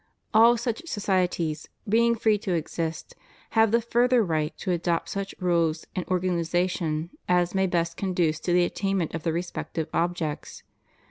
All such societies, being free to exist, have the further right to adopt such rules and organization as may best conduce to the attainment of their respective objects.